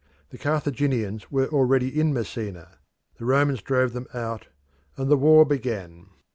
The Carthaginians were already in Messina: the Romans drove them out, and the war began.